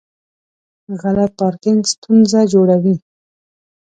غلط پارکینګ ستونزه جوړوي.